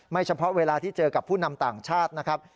เฉพาะเวลาที่เจอกับผู้นำต่างชาตินะครับ